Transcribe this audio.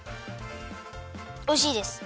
おいしいです。